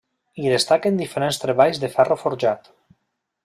Hi destaquen diferents treballs de ferro forjat.